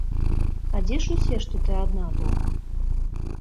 А дзе ж усе, што ты адна дома?